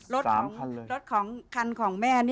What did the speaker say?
รถของคันของแม่